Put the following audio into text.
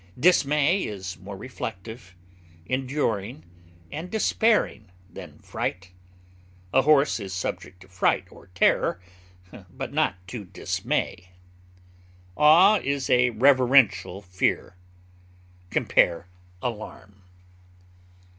Dismay is more reflective, enduring, and despairing than fright; a horse is subject to fright or terror, but not to dismay. Awe is a reverential fear. Compare ALARM.